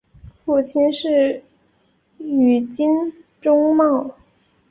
父亲是宇津忠茂。